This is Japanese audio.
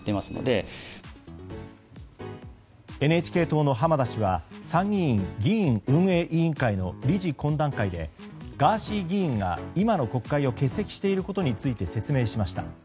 ＮＨＫ党の浜田氏は参議院議員運営委員会の理事懇談会でガーシー議員が今の国会を欠席していることについて説明しました。